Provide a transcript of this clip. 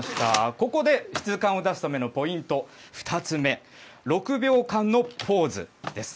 ここで質感を出すためのポイント、２つ目、６秒間のポーズです。